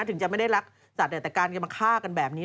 ถึงจะไม่ได้รักสัตว์แต่การจะมาฆ่ากันแบบนี้